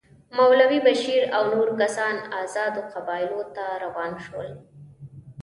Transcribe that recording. مولوي بشیر او نور کسان آزادو قبایلو ته روان شول.